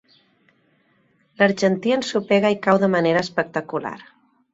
L'argentí ensopega i cau de manera espectacular.